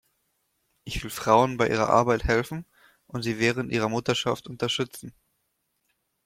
Ich will Frauen bei ihrer Arbeit helfen und sie während ihrer Mutterschaft unterstützen.